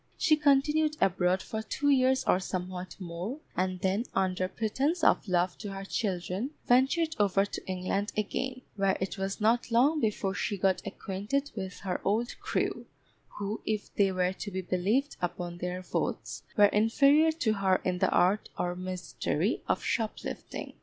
She continued abroad for two years or somewhat more; and then, under pretence of love to her children, ventured over to England again, where it was not long before she got acquainted with her old crew, who, if they were to be believed upon their oaths, were inferior to her in the art or mystery of shoplifting.